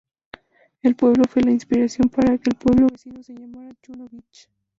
El pueblo fue la inspiración para que el pueblo vecino se llamara, "Juno Beach".